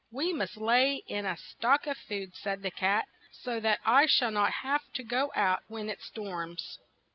"We must lay in a stock of food," said the cat, "so that I shall not have to go out when it storms.